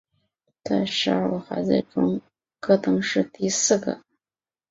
在十二个孩子中戈登是第四个。